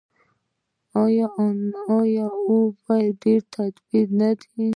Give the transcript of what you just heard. آیا او په ډیر تدبیر نه دی؟